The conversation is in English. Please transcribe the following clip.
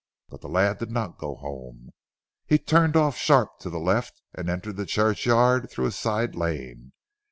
But the lad did not go home. He turned off sharp to the left, and entered the churchyard through a side lane.